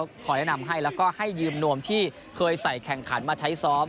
แล้วขอแนะนำให้แล้วก็ให้ยืมโน่มที่เคยใส่แข่งขันมาทัยสอบ